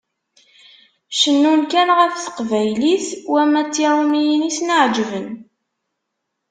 Cennun kan ɣef Teqbaylit, wamma d Tiṛumiyin i sen-iɛeǧben.